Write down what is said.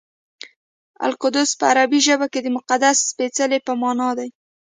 القدس په عربي ژبه کې د مقدس سپېڅلي په مانا دی.